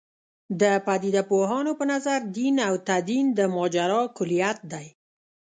د پدیده پوهانو په نظر دین او تدین د ماجرا کُلیت دی.